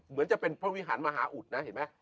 เหมือนจะเป็นพระวิหารมหาอุดนะเห็นไหม